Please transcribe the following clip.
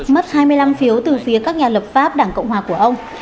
mất hai mươi năm phiếu từ phía các nhà lập pháp đảng cộng hòa của ông